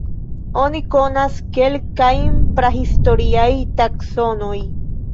Oni konas kelkajn prahistoriaj taksonoj.